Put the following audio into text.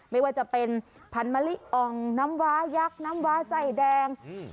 ไม่ว่าจะเป็นผันมะลิอ่องน้ำวายักษ์น้ำว้าไส้แดงอืม